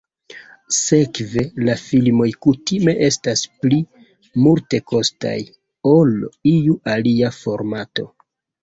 Sekve, la filmoj kutime estas pli multekostaj ol iu alia formato.